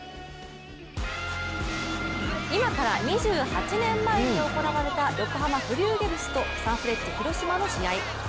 今から２８年前に行われた横浜フリューゲルスとサンフレッチェ広島の試合。